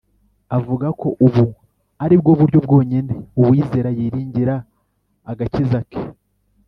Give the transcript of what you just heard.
avuga ko ubu ari bwo buryo bwonyine uwizera yiringira agakiza ke.